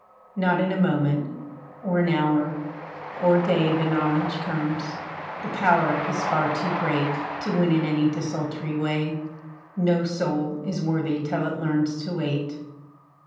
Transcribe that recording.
Not in a moment, or an hour, or day The knowledge comes; the power is far too great, To win in any desultory way. No soul is worthy till it learns to wait.